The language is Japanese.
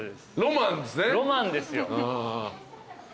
ロマンですよ。